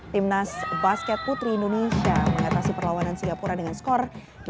timnas basket putri indonesia mengatasi perlawanan singapura dengan skor delapan enam tiga sembilan